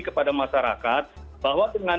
kepada masyarakat bahwa dengan